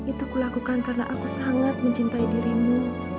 itu kulakukan karena aku sangat mencintai dirimu